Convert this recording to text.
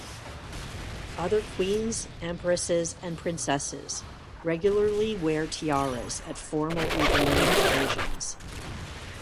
Other queens, empresses, and princesses regularly wear tiaras at formal evening occasions.